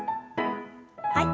はい。